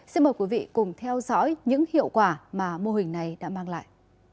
xin mời quý vị cùng theo dõi những hiệu quả mà mô hình này đã mang lại